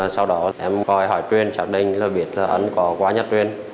sau đó em hỏi truyền xác định là biết là anh có quá nhất truyền